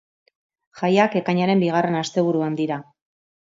Jaiak ekainaren bigarren asteburuan dira.